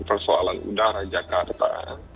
persoalan udara jakarta